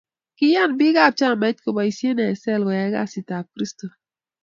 Kiyan biik ab chamait keboisie eng sel koyay kasit ab kristo